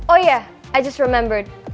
oh iya gue baru ingat